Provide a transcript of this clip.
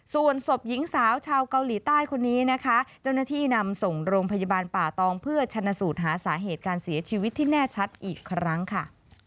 ส่วนศพหญิงสาวชาวเกาหลีใต้คนนี้นะคะเจ้าหน้าที่นำส่งโรงพยาบาลป่าตองเพื่อชนะสูตรหาสาเหตุการเสียชีวิตที่แน่ชัดอีกครั้งค่ะ